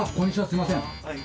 すいません。